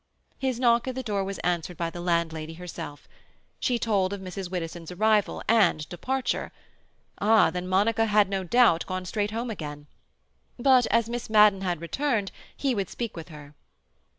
His knock at the door was answered by the landlady herself. She told of Mrs. Widdowson's arrival and departure. Ah, then Monica had no doubt gone straight home again. But, as Miss Madden had returned, he would speak with her.